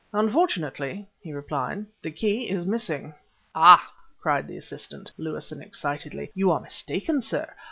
"Unfortunately," he replied, "the key is missing." "Ah!" cried the assistant, Lewison, excitedly, "you are mistaken, sir!